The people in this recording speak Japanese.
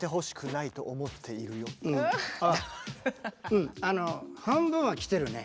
うんあの半分はきてるね。